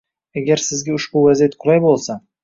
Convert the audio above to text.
agar sizga ushbu vaziyat qulay bo‘lsa